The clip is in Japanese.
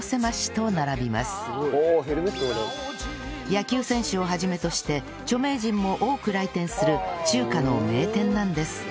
野球選手を始めとして著名人も多く来店する中華の名店なんです